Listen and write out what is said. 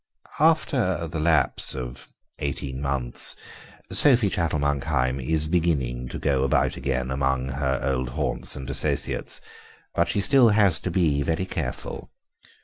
After the lapse of eighteen months Sophie Chattel Monkheim is beginning to go about again among her old haunts and associates, but she still has to be very careful.